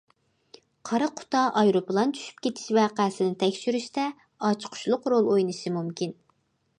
قارا قۇتا ئايروپىلان چۈشۈپ كېتىش ۋەقەسىنى تەكشۈرۈشتە ئاچقۇچلۇق رول ئوينىشى مۇمكىن.